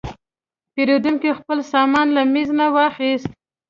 پیرودونکی خپل سامان له میز نه واخیست.